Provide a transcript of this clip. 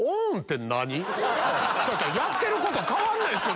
やってること変わんないですよ